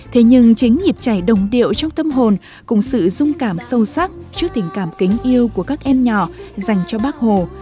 thế nhưng chính nhịp chảy đồng điệu trong tâm hồn cùng sự dung cảm sâu sắc trước tình cảm kính yêu của các em nhỏ dành cho bác hồ